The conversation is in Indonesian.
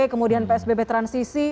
kemudian psbb transisi